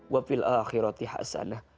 wafil akhirati hasanah